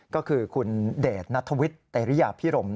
ก็คือคุณเดชนัทวิทย์เตรริยาพิรม